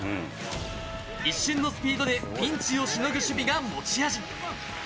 一瞬のスピードでピンチをしのぐ守備が持ち味。